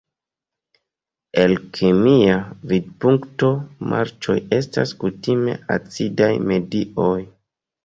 El kemia vidpunkto, marĉoj estas kutime acidaj medioj.